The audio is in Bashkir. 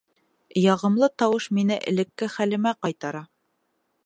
Яғымлы тауыш мине элекке хәлемә ҡайтара.